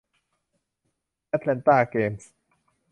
แอตแลนต้าเกมส์